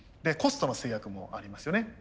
コストの制約もありますよね。